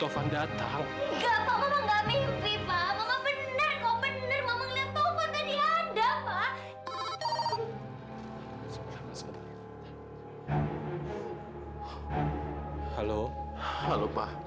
fadhil baru aja mengidentifikasi jenazahnya pak